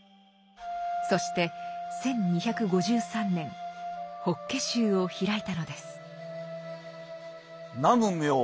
そして１２５３年法華宗を開いたのです。